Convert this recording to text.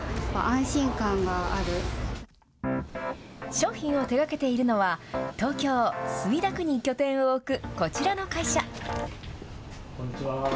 商品を手がけているのは、東京・墨田区に拠点を置くこちらの会社。